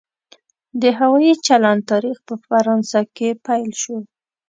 د هوایي چلند تاریخ په فرانسه کې پیل شو.